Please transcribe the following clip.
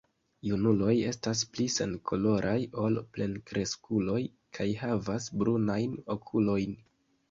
Junuloj estas pli senkoloraj ol plenkreskuloj kaj havas brunajn okulojn.